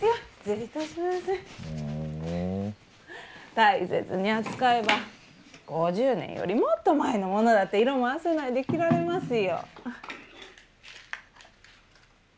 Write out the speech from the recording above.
大切に扱えば５０年よりもっと前のものだって色もあせないで着られますよ。